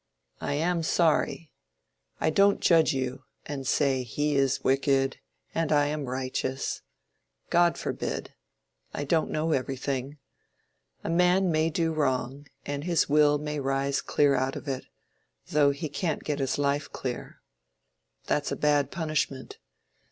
"I am sorry. I don't judge you and say, he is wicked, and I am righteous. God forbid. I don't know everything. A man may do wrong, and his will may rise clear out of it, though he can't get his life clear. That's a bad punishment.